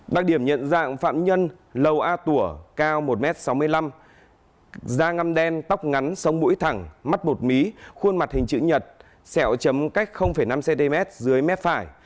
đặc điểm nhận dạng phạm nhân lầu a tủa cao một m sáu mươi năm da ngâm đen tóc ngắn sống mũi thẳng mắt bột mí khuôn mặt hình chữ nhật sẹo chấm cách năm cm dưới mép phải